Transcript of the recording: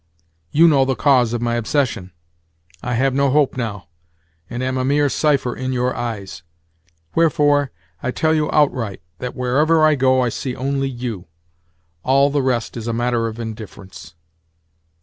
You know the cause of my obsession. I have no hope now, and am a mere cipher in your eyes; wherefore, I tell you outright that wherever I go I see only you—all the rest is a matter of indifference.